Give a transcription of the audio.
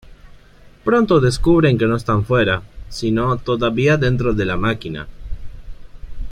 Pronto descubren que no están fuera, sino todavía dentro de la máquina.